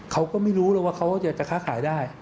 เขาก็ไม่รู้หรอกว่าเขาจะค้าขายได้